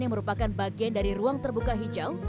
yang merupakan bagian dari ruang terbuka hijau